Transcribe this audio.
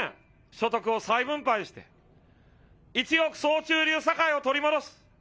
所得を再分配して、一億総中流社会を取り戻す。